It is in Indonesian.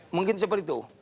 mungkin seperti itu